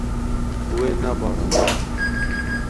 Wê nebarand.